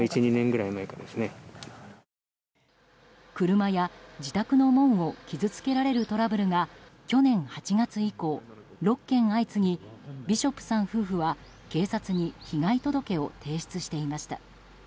車や、自宅の門を傷つけられるトラブルが去年８月以降、６件相次ぎビショップさん夫婦は警察に被害届を提出していました。